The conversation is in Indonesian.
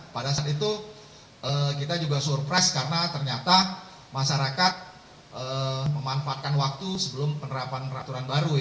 pada saat itu kita juga surprise karena ternyata masyarakat memanfaatkan waktu sebelum penerapan peraturan baru